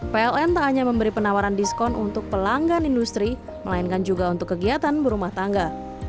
pln tak hanya memberi penawaran diskon untuk pelanggan industri melainkan juga untuk kegiatan berumah tangga